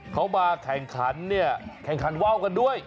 เขามาแข่งขันเนี่ยแข่งขันว่าวกันด้วย